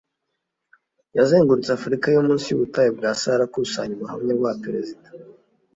yazengurutse Afurika yo munsi y’ubutayu bwa Sahara akusanya ubuhamya bw’abaperezida